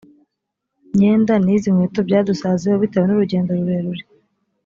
myenda n izi nkweto byadusaziyeho bitewe n urugendo rurerure